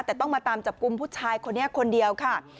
แต่ต้องมาตามจับกลุ่มผู้ชายคนนี้คนเดียวค่ะ